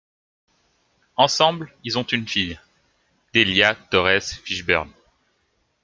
Ensemble, ils ont une fille, Delilah Torres Fishburne.